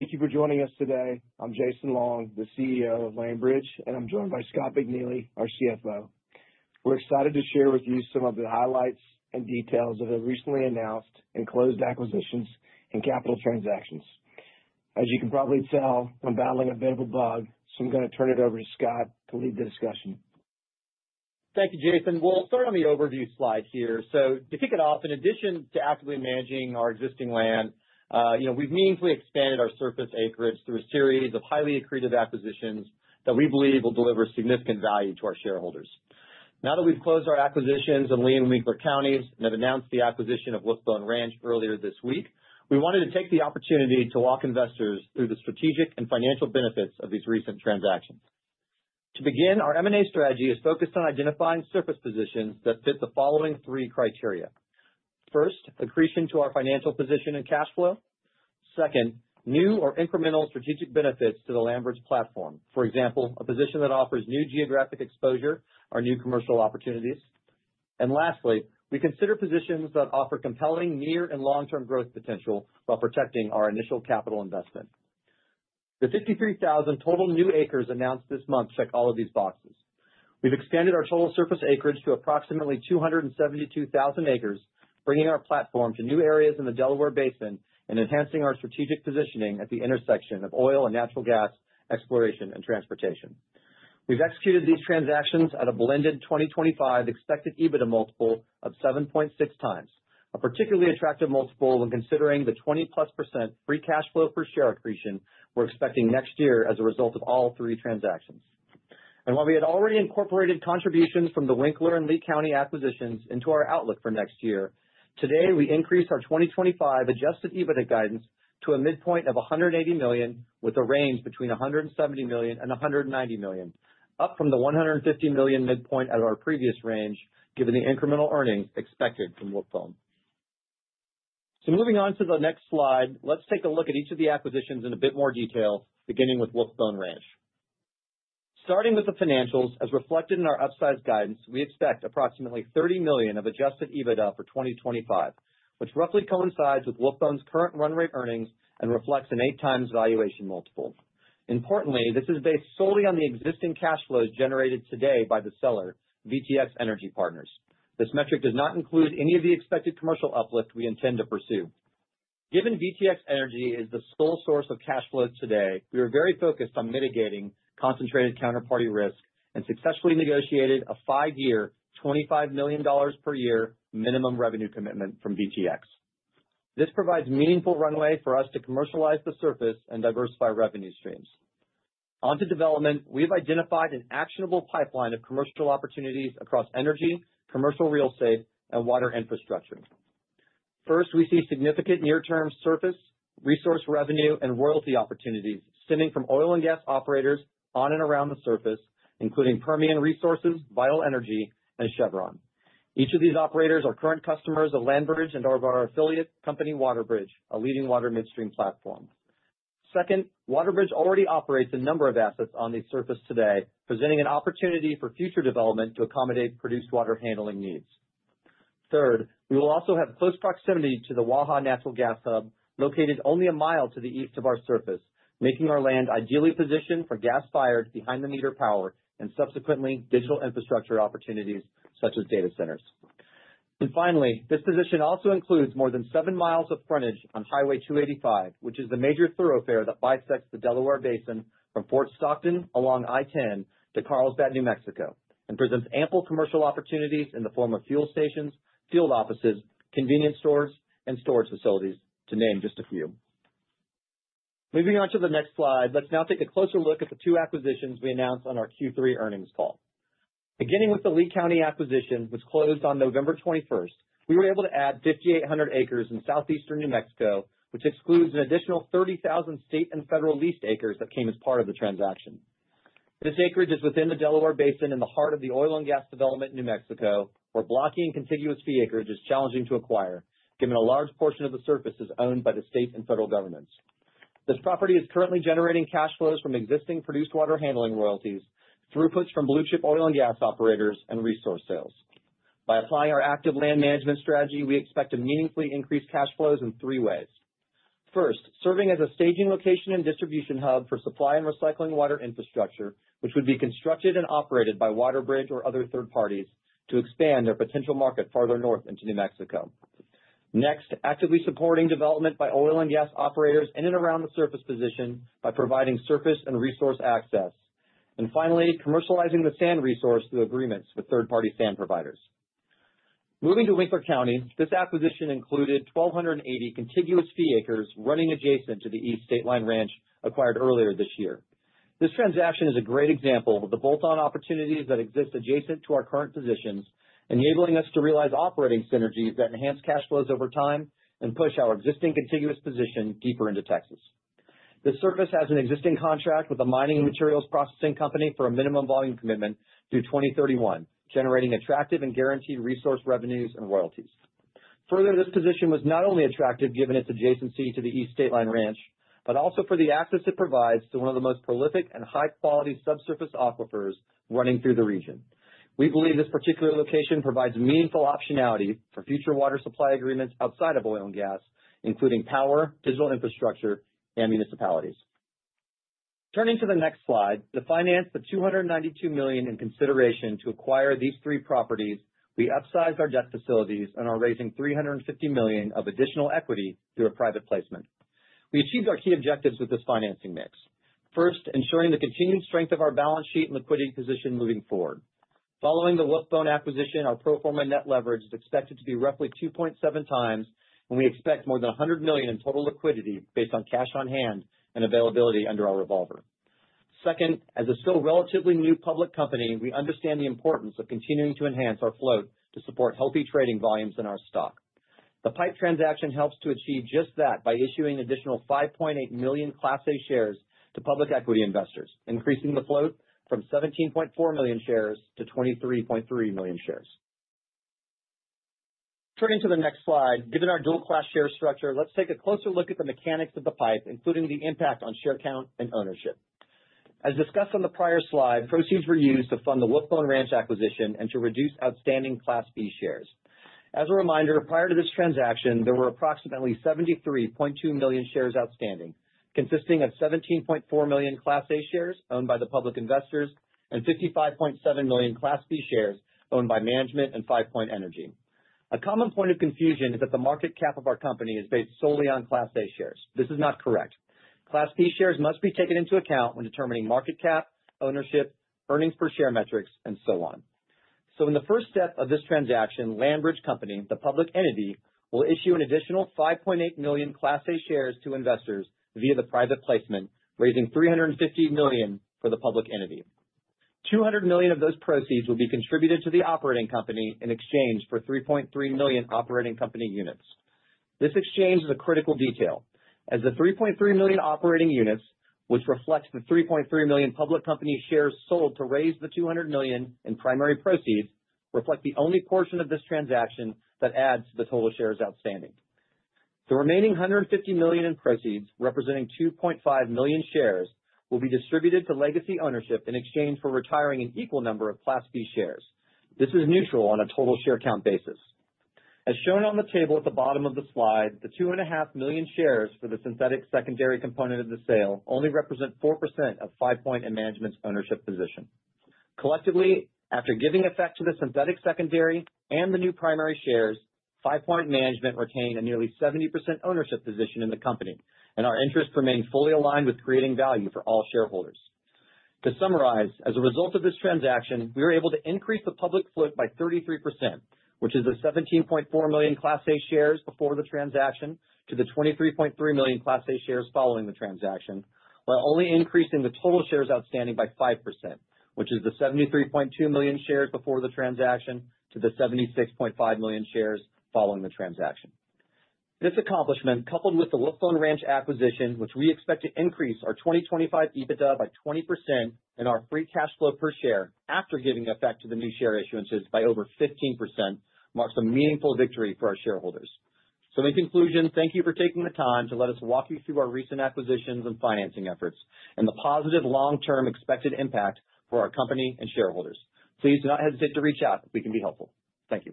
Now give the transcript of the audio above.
Thank you for joining us today. I'm Jason Long, the CEO of Landbridge, and I'm joined by Scott McNeely, our CFO. We're excited to share with you some of the highlights and details of the recently announced and closed acquisitions and capital transactions. As you can probably tell, I'm battling a bit of a bug, so I'm gonna turn it over to Scott to lead the discussion. Thank you, Jason. We'll start on the overview slide here. So to kick it off, in addition to actively managing our existing land, you know, we've meaningfully expanded our surface acreage through a series of highly accretive acquisitions that we believe will deliver significant value to our shareholders. Now that we've closed our acquisitions in Lee and Winkler Counties and have announced the acquisition of Wolf Bone Ranch earlier this week, we wanted to take the opportunity to walk investors through the strategic and financial benefits of these recent transactions. To begin, our M&A strategy is focused on identifying surface positions that fit the following three criteria: First, accretion to our financial position and cash flow. Second, new or incremental strategic benefits to the Landbridge platform. For example, a position that offers new geographic exposure or new commercial opportunities. And lastly, we consider positions that offer compelling near and long-term growth potential while protecting our initial capital investment. The 53,000 total new acres announced this month check all of these boxes. We've expanded our total surface acreage to approximately 272,000 acres, bringing our platform to new areas in the Delaware Basin and enhancing our strategic positioning at the intersection of oil and natural gas, exploration, and transportation. We've executed these transactions at a blended 2024/2025 expected EBITDA multiple of 7.6 times, a particularly attractive multiple when considering the 20+% free cash flow per share accretion we're expecting next year as a result of all three transactions. And while we had already incorporated contributions from the Winkler County and Lee County acquisitions into our outlook for next year, today, we increased our 2025 Adjusted EBITDA guidance to a midpoint of $180 million, with a range between $170 million and $190 million, up from the $150 million midpoint at our previous range, given the incremental earnings expected from Wolf Bone. So moving on to the next slide, let's take a look at each of the acquisitions in a bit more detail, beginning with Wolf Bone Ranch. Starting with the financials, as reflected in our upsized guidance, we expect approximately $30 million of Adjusted EBITDA for 2025, which roughly coincides with Wolf Bone's current run rate earnings and reflects an eight times valuation multiple. Importantly, this is based solely on the existing cash flows generated today by the seller, VTX Energy Partners. This metric does not include any of the expected commercial uplift we intend to pursue. Given VTX Energy is the sole source of cash flows today, we are very focused on mitigating concentrated counterparty risk and successfully negotiated a five-year, $25 million per year minimum revenue commitment from VTX. This provides meaningful runway for us to commercialize the surface and diversify revenue streams. Onto development, we've identified an actionable pipeline of commercial opportunities across energy, commercial real estate, and water infrastructure. First, we see significant near-term surface, resource revenue, and royalty opportunities stemming from oil and gas operators on and around the surface, including Permian Resources, Vital Energy, and Chevron. Each of these operators are current customers of Landbridge and/or of our affiliate company, WaterBridge, a leading water midstream platform. Second, WaterBridge already operates a number of assets on the surface today, presenting an opportunity for future development to accommodate produced water handling needs. Third, we will also have close proximity to the Waha Natural Gas Hub, located only a mile to the east of our surface, making our land ideally positioned for gas-fired, behind-the-meter power, and subsequently, digital infrastructure opportunities such as data centers. And finally, this position also includes more than seven miles of frontage on Highway 285, which is the major thoroughfare that bisects the Delaware Basin from Fort Stockton, along I-10 to Carlsbad, New Mexico, and presents ample commercial opportunities in the form of fuel stations, field offices, convenience stores, and storage facilities, to name just a few. Moving on to the next slide, let's now take a closer look at the two acquisitions we announced on our Q3 earnings call. Beginning with the Lee County acquisition, which closed on November twenty-first, we were able to add 5,800 acres in southeastern New Mexico, which excludes an additional 30,000 state and federal leased acres that came as part of the transaction. This acreage is within the Delaware Basin in the heart of the oil and gas development in New Mexico, where blocking contiguous fee acreage is challenging to acquire, given a large portion of the surface is owned by the state and federal governments. This property is currently generating cash flows from existing produced water handling royalties, throughputs from blue chip oil and gas operators, and resource sales. By applying our active land management strategy, we expect to meaningfully increase cash flows in three ways. First, serving as a staging location and distribution hub for supply and recycling water infrastructure, which would be constructed and operated by WaterBridge or other third parties to expand their potential market farther north into New Mexico. Next, actively supporting development by oil and gas operators in and around the surface position by providing surface and resource access. And finally, commercializing the sand resource through agreements with third-party sand providers. Moving to Winkler County, this acquisition included 1,280 contiguous fee acres running adjacent to the East Stateline Ranch, acquired earlier this year. This transaction is a great example of the bolt-on opportunities that exist adjacent to our current positions, enabling us to realize operating synergies that enhance cash flows over time and push our existing contiguous position deeper into Texas.This surface has an existing contract with a mining and materials processing company for a minimum volume commitment through 2031, generating attractive and guaranteed resource revenues and royalties. Further, this position was not only attractive given its adjacency to the East Stateline Ranch, but also for the access it provides to one of the most prolific and high-quality subsurface aquifers running through the region. We believe this particular location provides meaningful optionality for future water supply agreements outside of oil and gas, including power, digital infrastructure, and municipalities. Turning to the next slide, to finance the $292 million in consideration to acquire these three properties, we upsized our debt facilities and are raising $350 million of additional equity through a private placement. We achieved our key objectives with this financing mix. First, ensuring the continued strength of our balance sheet and liquidity position moving forward. Following the Wolf Bone acquisition, our pro-forma net leverage is expected to be roughly 2.7 times, and we expect more than $100 million in total liquidity based on cash on hand and availability under our revolver. Second, as a still relatively new public company, we understand the importance of continuing to enhance our float to support healthy trading volumes in our stock. The PIPE transaction helps to achieve just that by issuing additional 5.8 million Class A shares to public equity investors, increasing the float from 17.4 million shares to 23.3 million shares. Turning to the next slide, given our dual class share structure, let's take a closer look at the mechanics of the PIPE, including the impact on share count and ownership. As discussed on the prior slide, proceeds were used to fund the Wolf Bone Ranch acquisition and to reduce outstanding Class B shares. As a reminder, prior to this transaction, there were approximately 73.2 million shares outstanding, consisting of 17.4 million Class A shares owned by the public investors and 55.7 million Class B shares owned by management and Five Point Energy. A common point of confusion is that the market cap of our company is based solely on Class A shares. This is not correct. Class B shares must be taken into account when determining market cap, ownership, earnings per share metrics, and so on. In the first step of this transaction, Landbridge Company, the public entity, will issue an additional 5.8 million Class A shares to investors via the private placement, raising $350 million for the public entity. $200 million of those proceeds will be contributed to the operating company in exchange for 3.3 million operating company units. This exchange is a critical detail, as the 3.3 million operating units, which reflects the 3.3 million public company shares sold to raise the $200 million in primary proceeds, reflect the only portion of this transaction that adds to the total shares outstanding. The remaining $150 million in proceeds, representing 2.5 million shares, will be distributed to legacy ownership in exchange for retiring an equal number of Class B shares. This is neutral on a total share count basis. As shown on the table at the bottom of the slide, the 2.5 million shares for the synthetic secondary component of the sale only represent 4% of FivePoint and management's ownership position. Collectively, after giving effect to the synthetic secondary and the new primary shares, Five Point management retained a nearly 70% ownership position in the company, and our interests remain fully aligned with creating value for all shareholders. To summarize, as a result of this transaction, we were able to increase the public float by 33%, which is the 17.4 million Class A shares before the transaction to the 23.3 million Class A shares following the transaction, while only increasing the total shares outstanding by 5%, which is the 73.2 million shares before the transaction to the 76.5 million shares following the transaction. This accomplishment, coupled with the Wolf Bone Ranch acquisition, which we expect to increase our 2025 EBITDA by 20% and our free cash flow per share after giving effect to the new share issuances by over 15%, marks a meaningful victory for our shareholders. So in conclusion, thank you for taking the time to let us walk you through our recent acquisitions and financing efforts and the positive long-term expected impact for our company and shareholders. Please do not hesitate to reach out if we can be helpful. Thank you.